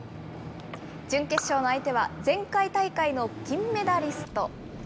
準決勝の相手は、前回大会の銀メダリスト。